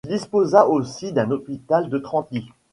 Il disposera aussi d'un hôpital de trente lits.